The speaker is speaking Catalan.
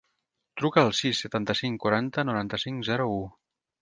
Truca al sis, setanta-cinc, quaranta, noranta-cinc, zero, u.